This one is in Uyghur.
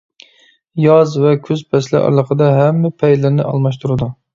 ياز ۋە كۈز پەسلى ئارىلىقىدا ھەممە پەيلىرىنى ئالماشتۇرىدۇ.